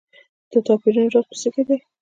د توپیرونو راز په څه کې دی.